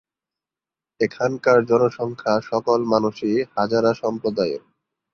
এখানকার জনসংখ্যা সকল মানুষই হাজারা সম্প্রদায়ের।